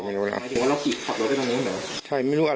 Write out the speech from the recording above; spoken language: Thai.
มองหน้า